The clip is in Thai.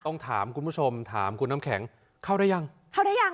ต้องถามคุณผู้ชมถามคุณน้ำแข็งเข้าหรือยังเข้าได้ยัง